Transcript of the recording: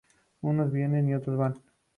Unos vienen y otros van